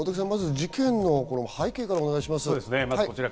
事件の背景からお願いします。